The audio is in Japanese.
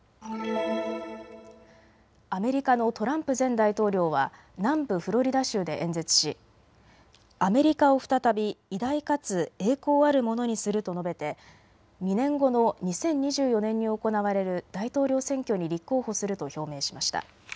アメリカのトランプ前大統領は南部フロリダ州で演説しアメリカを再び偉大かつ栄光あるものにすると述べて２年後の２０２４年に行われる大統領選挙に立候補すると表明しました。